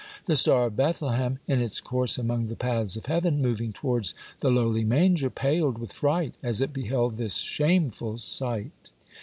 The Star of Bethlehem, in its course among the paths of heaven, moving towards the lowly manger, paled with fright as it beheld this shame ful sight.